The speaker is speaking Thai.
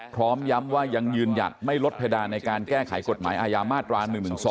พร้อมย้ำว่ายังยืนหยัดไม่ลดเพดานในการแก้ไขกฎหมายอาญามาตรา๑๑๒